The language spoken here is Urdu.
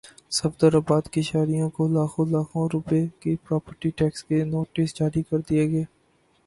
صفدرآباد کے شہریوں کو لاکھوں لاکھوں روپے کے پراپرٹی ٹیکس کے نوٹس جاری کردیئے گئے